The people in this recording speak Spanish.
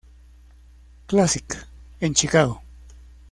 Classic" en Chicago.